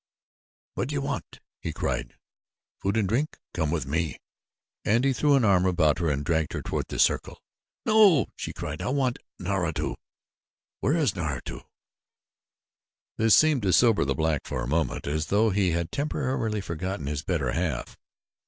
"What do you want," he cried, "food and drink? Come with me!" and he threw an arm about her and dragged her toward the circle. "No!" she cried, "I want Naratu. Where is Naratu?" This seemed to sober the black for a moment as though he had temporarily forgotten his better half.